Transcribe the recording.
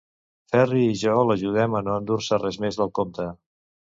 Ferri i jo l'ajudem a no endur-se res més del compte.